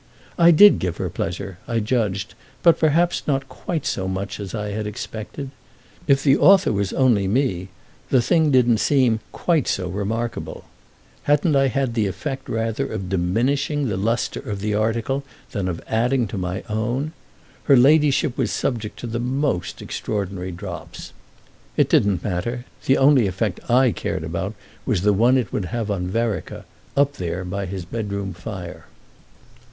I did give her pleasure, I judged, but perhaps not quite so much as I had expected. If the author was "only me" the thing didn't seem quite so remarkable. Hadn't I had the effect rather of diminishing the lustre of the article than of adding to my own? Her ladyship was subject to the most extraordinary drops. It didn't matter; the only effect I cared about was the one it would have on Vereker up there by his bedroom fire.